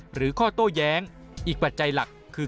หรือข้อโต้แย้งอีกปัจจัยหลักคือ